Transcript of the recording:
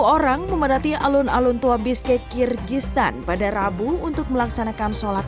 dua puluh lima orang memadati alun alun tua biskek kyrgyzstan pada rabu untuk melaksanakan sholat